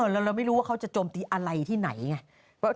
แล้วเราไม่รู้ว่าเขาจะโจมตีอะไรที่ไหนไง